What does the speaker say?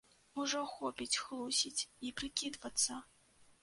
Ужо хопіць хлусіць і прыкідвацца!